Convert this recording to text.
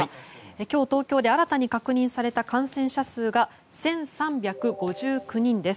今日東京で新たに確認された感染者数が１３５９人です。